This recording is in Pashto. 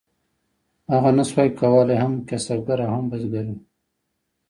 هغه نشو کولی هم کسبګر او هم بزګر وي.